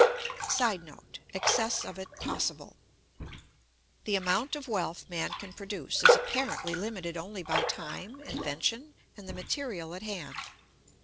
[Sidenote: Excess of it possible.] The amount of wealth man can produce is apparently limited only by time, invention, and the material at hand.